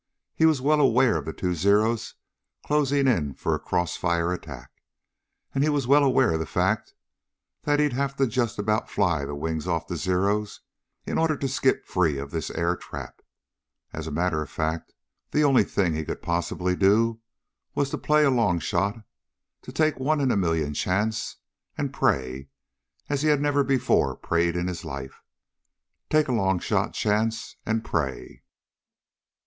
He was well aware of the two Zeros closing in for a cross fire attack. And he was well aware of the fact that he'd have to just about fly the wings off the Zeros in order to skip free of this air trap. As a matter of fact, the only thing he could possibly do was to play a long shot; to take a one in a million chance, and pray as he had never before prayed in his life. Take a long shot chance, and pray.